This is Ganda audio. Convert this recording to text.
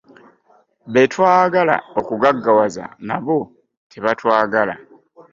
Be twagala okugaggawaza nabo tebatwagala.